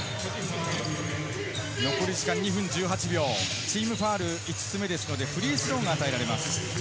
残り時間２分１８秒、チームファウル５つ目ですのでフリースローが与えられます。